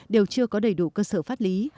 đều chưa có đầy đủ cơ sở pháp lý